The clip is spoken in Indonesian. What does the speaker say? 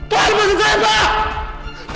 pak lepasin saya pak